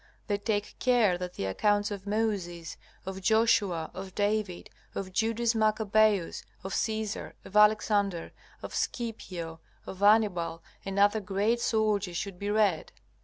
They take care that the accounts of Moses, of Joshua, of David, of Judas Maccabaeus, of Caesar, of Alexander, of Scipio, of Hannibal, and other great soldiers should be read.